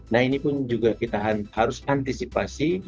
nah ini pun juga kita harus antisipasi